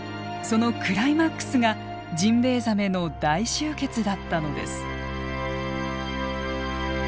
そのクライマックスがジンベエザメの大集結だったのです。